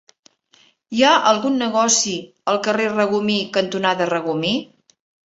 Hi ha algun negoci al carrer Regomir cantonada Regomir?